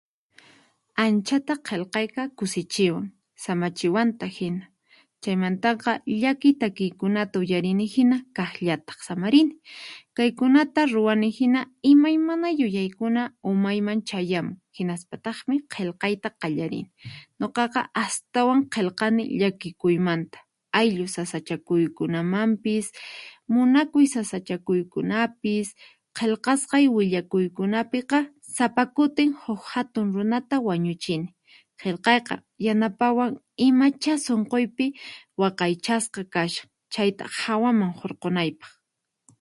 Anchata qillqayqa kusichiwan samachiwantaq hina, chaymantaqa llakiy takiykunata uyarini hina kaqllataq samarini. Kaykunata ruwani hina imaymana yuyaykuna umayman chayamun hinaspataqmi qillqayta qallarini. Nuqaqa astawan qillqani llakikuymanta, ayllu sasachakuykunamanpis munakuy sasachakuykunapis. Qillqasqay willakuykunapiqa sapa kutin huk hatun runata wañuchini, qillqayqa yanapawan imachá sunquypi waqaychasqa kashan chayta hawaman hurqunaypaq.